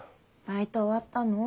バイト終わったの？